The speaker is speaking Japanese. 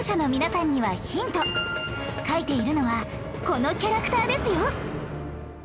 描いているのはこのキャラクターですよ